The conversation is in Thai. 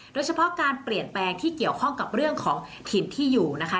โดยเฉพาะการเปลี่ยนแปลงที่เกี่ยวข้องกับเรื่องของถิ่นที่อยู่นะคะ